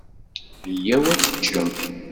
Yya-w ad teččem.